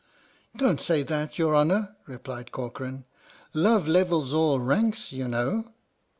" Don't say that, your Honour," replied Corcoran, " Love levels all ranks, you know!